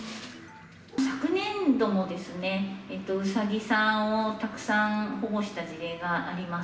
昨年度もですね、うさぎさんをたくさん保護した事例があります。